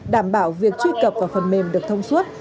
đảm bảo việc truy cập vào phần mềm được thông suốt